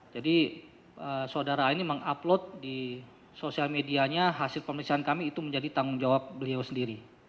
jadi saudara ini mengupload di sosial medianya hasil pemeriksaan kami itu menjadi tanggung jawab beliau sendiri